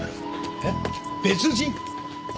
えっ別人？